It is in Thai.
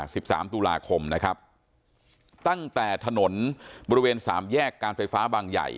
สิบสามตุลาคมนะครับตั้งแต่ถนนบริเวณสามแยกการไฟฟ้าบางใหญ่